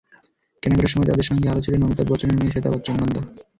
কেনাকাটার সময় তাঁদের সঙ্গে আরও ছিলেন অমিতাভ বচ্চনের মেয়ে শ্বেতা বচ্চন নন্দা।